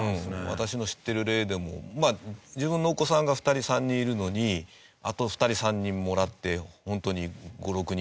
私の知ってる例でも自分のお子さんが２人３人いるのにあと２人３人もらってホントに５６人子どもがいるとか。